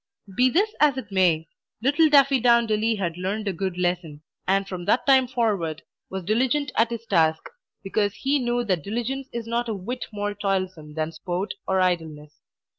Be this as it may, little Daffydowndilly had learned a good lesson, and from that time forward was diligent at his task, because he knew that diligence is not a whit more toilsome than sport or idleness.